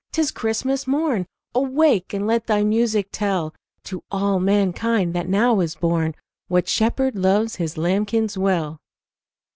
't is Christmas morn Awake and let thy music tell To all mankind that now is born What Shepherd loves His lambkins well!"